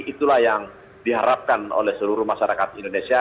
itulah yang diharapkan oleh seluruh masyarakat indonesia